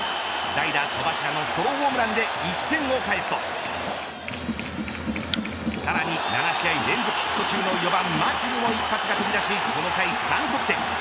代打戸柱のソロホームランで１点を返すとさらに７試合連続ヒット中の４番、牧にも一発が飛び出しこの回３得点。